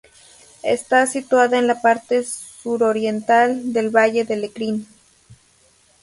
Está situada en la parte suroriental del Valle de Lecrín.